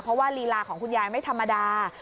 เพราะว่าลีลาของคุณยายไม่ธรรมดา